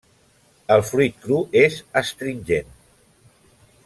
El fruit cru és astringent.